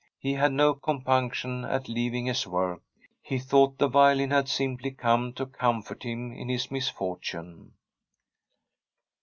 He had no compunction at leaving his work. He thought the violin had simply come to comfort him in his misfortune.